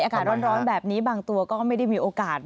อากาศร้อนแบบนี้บางตัวก็ไม่ได้มีโอกาส